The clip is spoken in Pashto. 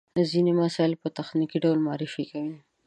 ځينې مسایل په تخنیکي ډول معرفي کوي.